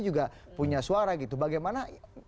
juga punya suara gitu bagaimana